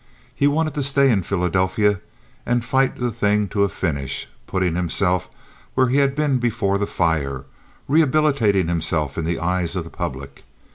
He wanted to stay in Philadelphia and fight the thing to a finish—putting himself where he had been before the fire; rehabilitating himself in the eyes of the public.